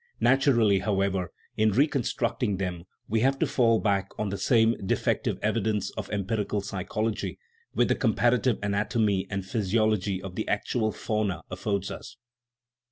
Naturally, however, in reconstructing them we have to fall back on the same defective evidence of empirical psychology which the comparative anatomy and physiology of the actual fauna affords us.